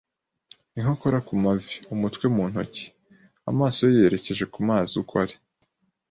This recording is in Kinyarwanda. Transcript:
inkokora ku mavi, umutwe mu ntoki, n'amaso ye yerekeje ku mazi uko ari